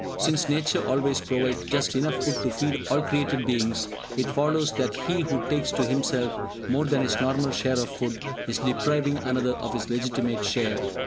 Since Nature always provides just enough food to feed all created beings, it follows that he who takes to himself more than his normal share of food, is depriving another of his legitimate share.